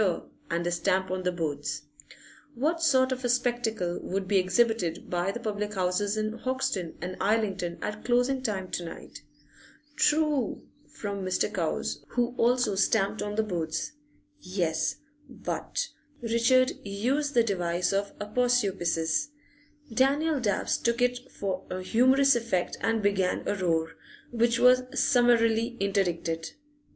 and a stamp on the boards). What sort of a spectacle would be exhibited by the public houses in Hoxton and Islington at closing time to night? ['True!' from Mr. Cowes, who also stamped on the boards.) Yes, but Richard used the device of aposiopesis; Daniel Dabbs took it for a humorous effect and began a roar, which was summarily interdicted.